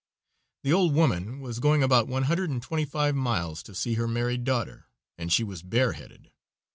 The old woman was going about one hundred and twenty five miles to see her married daughter, and she was bare headed.